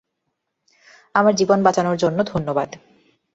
আমার জীবন বাঁচানোর জন্য ধন্যবাদ।